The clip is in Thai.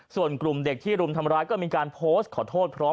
ส่วนกลุ่มเด็กที่รุมทำร้ายก็มีการโพสต์ขอโทษพร้อม